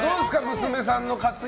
娘さんの活躍